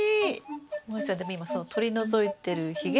もえさんでも今取り除いてるひげ。